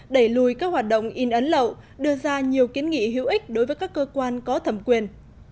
đẩy lùi các hoạt động in ấn lậu đưa ra nhiều kiến nghị hữu ích đối với các cơ quan có thẩm quyền